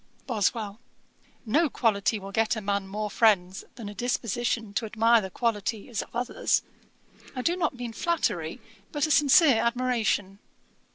BOSWELL. 'No quality will get a man more friends than a disposition to admire the qualities of others. I do not mean flattery, but a sincere admiration.'